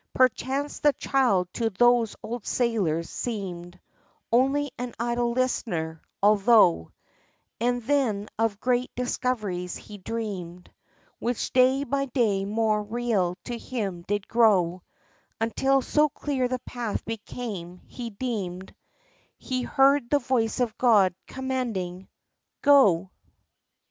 — Perchance the child to those old sailors seemed Only an idle listener — although E'en then of great discoveries he dreamed, Which day by day more real to him did grow, Until so clear the path became, he deemed He heard the voice of God commanding, '* Go